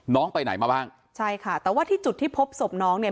ไปไหนมาบ้างใช่ค่ะแต่ว่าที่จุดที่พบศพน้องเนี่ย